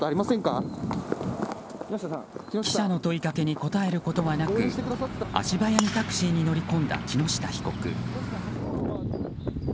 記者の問いかけに答えることはなく足早にタクシーに乗り込んだ木下被告。